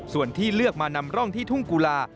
ส่วนที่เลือกมานำร่องที่ทุ่งกุลา